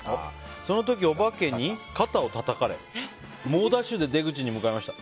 その時、お化けに肩をたたかれ猛ダッシュで出口に向かいました。